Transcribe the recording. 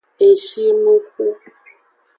Eshinuxu.